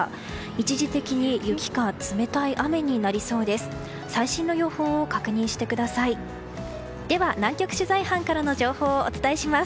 一時的に、雪か冷たい雨になりそうです。